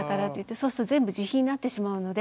そうすると全部自費になってしまうので。